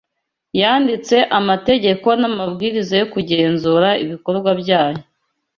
yanditse amategeko n'amabwiriza yo kugenzura ibikorwa byabo